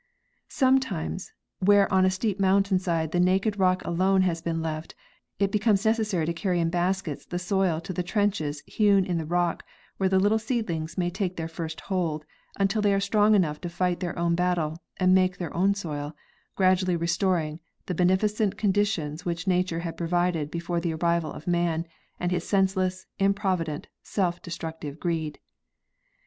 Sometimes, where on a steep mountain side the naked rock alone has been left, it becomes necessary to carry in baskets the soil to the trenches hewn in the rock, where the little seedlings may take their first hold, until they are strong enough to fight their own battle and make their own soil, gradually re storing the beneficent conditions which nature had provided before the arrival of man and his senseless, improvident, self destructive greed.